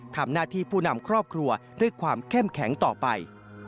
ทำหน้าที่ผู้นำครอบครัวด้วยความเข้มแข็งต่อไป